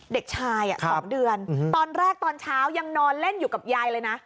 เด็กชาย๒เดือนตอนแรกตอนเช้ายังนอนเล่นอยู่กับยายเลยนะ